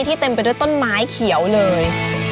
เต็มไปด้วยต้นไม้เขียวเลย